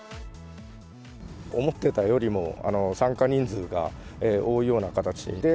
思ってたよりも、参加人数が多いような形で、